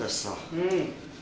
うん。